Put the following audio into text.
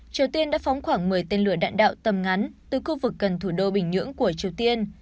triều tiên đã phóng khoảng một mươi tên lửa đạn đạo tầm ngắn từ khu vực gần thủ đô bình nhưỡng của triều tiên